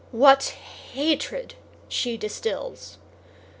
What hatred she distills!